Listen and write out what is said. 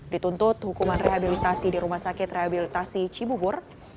dituntut hukuman rehabilitasi di rumah sakit rehabilitasi cibubur